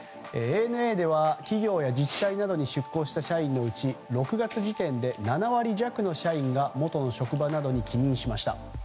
ＡＮＡでは企業や自治体などに出向した社員のうち６月時点で７割弱の社員が元の職場などに帰任しました。